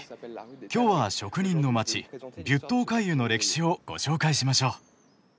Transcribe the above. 今日は職人の街ビュットオカイユの歴史をご紹介しましょう。